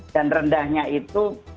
dan rendahnya itu